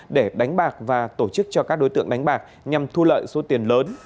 để đánh bạc và tổ chức cho các đối tượng đánh bạc nhằm thu lợi số tiền lớn